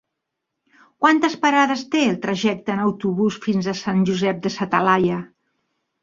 Quantes parades té el trajecte en autobús fins a Sant Josep de sa Talaia?